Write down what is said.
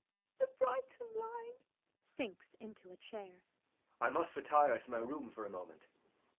The Brighton line. [Sinks into a chair.] JACK. I must retire to my room for a moment.